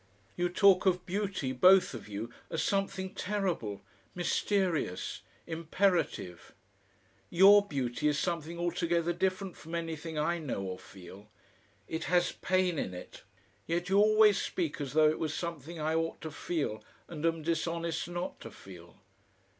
You talk of beauty, both of you, as something terrible, mysterious, imperative. YOUR beauty is something altogether different from anything I know or feel. It has pain in it. Yet you always speak as though it was something I ought to feel and am dishonest not to feel.